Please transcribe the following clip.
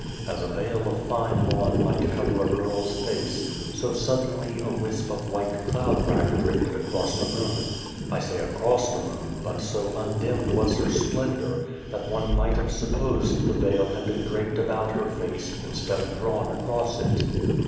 As a veil of fine lawn might cover a girl's face, so suddenly a wisp of white cloud rack drifted across the moon. I say " across the moon," but so undimmed was her splendour that one might have 239 A World supposed the veil had been draped about her face, instead of drawn across it.